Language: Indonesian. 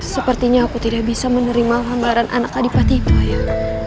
sepertinya aku tidak bisa menerima gambaran anak adipati ibu ayah